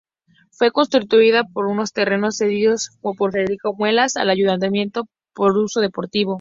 Fue construida sobre unos terrenos cedidos por Federico Muelas al Ayuntamiento para uso deportivo.